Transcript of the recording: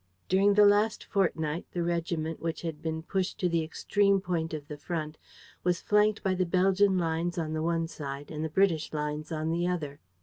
During the last fortnight, the regiment, which had been pushed to the extreme point of the front, was flanked by the Belgian lines on the one side and the British lines on the other.